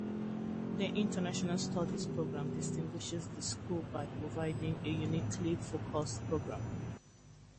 The International Studies Program distinguishes the school by providing a uniquely focused program.